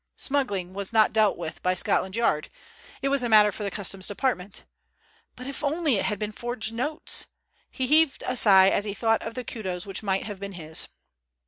Smuggling was not dealt with by Scotland Yard. It was a matter for the Customs Department. But if only it had been forged notes! He heaved a sigh as he thought of the kudos which might have been his.